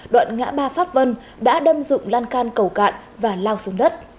đoạn ngã ba pháp vân đã đâm dụng lan can cầu cạn và lao xuống đất